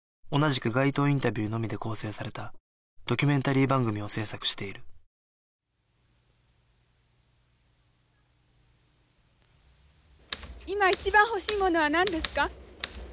同じく街頭インタビューのみで構成されたドキュメンタリー番組を制作している今一番ほしいものは何ですか？